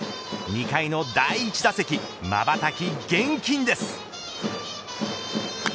２回の第１打席まばたき厳禁です。